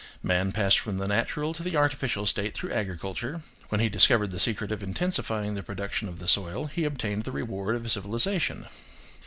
Man passed from the natural to the artificial state through agriculture: when he discovered the secret of intensifying the production of the soil, he obtained the reward of civilisation.